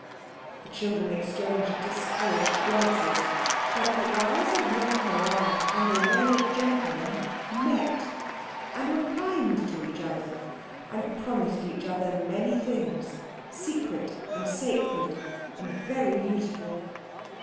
The children exchanged discouraged glances. But the eyes of Rekh marā and the learned gentleman met, and were kind to each other, and promised each other many things, secret and sacred and very beautiful.